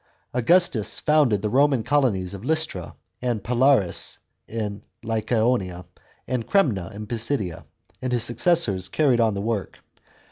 Augustus founded the Roman colonies of Lystra and Parlais in Lycaonia, and Cremna in Pisidia ; and his successors carried on the work.